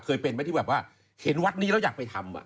เคยเป็นไหมที่แบบว่าเห็นวัดนี้แล้วอยากไปทำอ่ะ